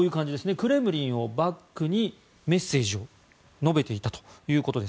クレムリンをバックにメッセージを述べていたということです。